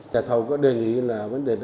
đại thầu có đề nghị là vấn đề đó